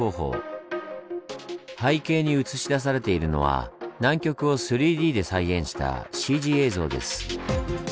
背景に映し出されているのは南極を３Ｄで再現したＣＧ映像です。